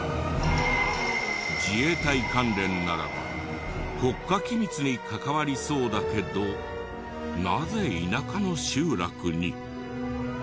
自衛隊関連ならば国家機密に関わりそうだけどなぜ田舎の集落に？